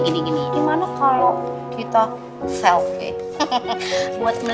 kan bunda kamu udah gak ada